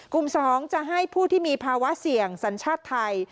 ๒จะให้ผู้ที่มีภาวะเสี่ยงสัญชาติไทย